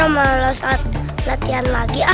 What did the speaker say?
kalau saat latihan lagi ah